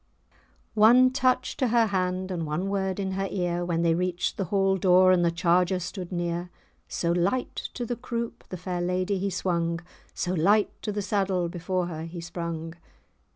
One touch to her hand, and one word in her ear, When they reached the hall door, and the charger stood near; So light to the croupe the fair lady he swung, So light to the saddle before her he sprung!